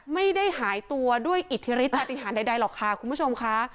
ไม่ได้หายตัวด้วยอิทธิฤทธปฏิหารใดหรอกค่ะคุณผู้ชมค่ะ